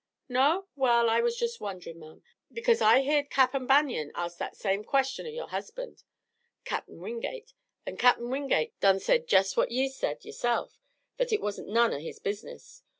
"No? Well, I was just wonderin', ma'am, because I heerd Cap'n Banion ast that same question o' yore husband, Cap'n Wingate, an' Cap'n Wingate done said jest what ye said yerself that hit wasn't none o' his business.